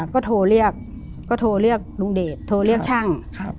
ก็โทรเรียกก็โทรเรียกลุงเดชโทรเรียกช่าง